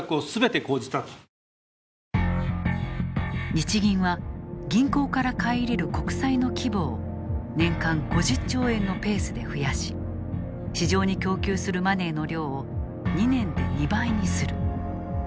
日銀は銀行から買い入れる国債の規模を年間５０兆円のペースで増やし市場に供給するマネーの量を２年で２倍にする。